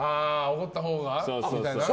怒ったほうがみたいな？